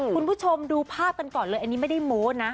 คุณผู้ชมดูภาพกันก่อนเลยอันนี้ไม่ได้โม้นะ